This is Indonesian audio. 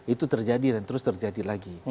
itu terjadi dan terus terjadi lagi